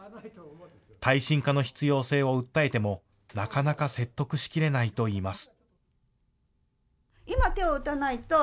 耐震化の必要性を訴えてもなかなか説得しきれないといいます。